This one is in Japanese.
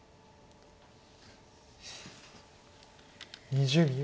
２０秒。